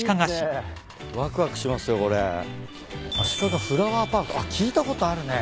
「あしかがフラワーパーク」あっ聞いたことあるね。